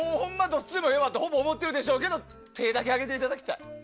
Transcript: どっちでもいいわと思ってるでしょうけど手だけ挙げていただきたい。